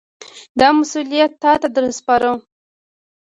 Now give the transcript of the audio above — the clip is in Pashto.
دا مسوولیت تاته در سپارو.